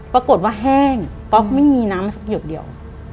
ปรากฏว่าแห้งก๊อกไม่มีน้ำมาสักหยดเดียว